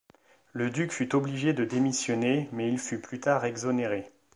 Le duc fut obligé de démissionner, mais il fut plus tard exonéré.